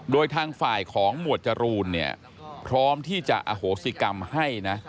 โดยทางฝ่ายของหมวดจรูนเนี่ยพร้อมที่จะอโหสิกรรมให้นะ